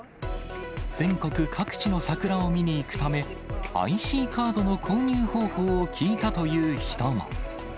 全国各地の桜を見に行くため、ＩＣカードの購入方法を聞いたという人も。